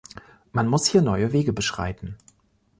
Man muss hier neue Wege beschreiten.